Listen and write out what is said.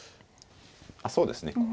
あっそうですね